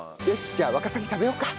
じゃあワカサギ食べようか。